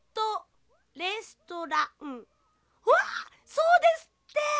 そうですって！